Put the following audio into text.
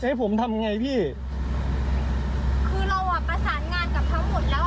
คือเราประสานงานกับเขาหมดแล้วเราคุยเองหมดแล้ว